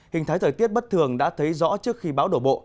hình thái thời tiết bất thường đã thấy rõ trước khi bão đổ bộ